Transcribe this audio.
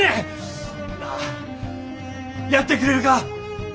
なあやってくれるか？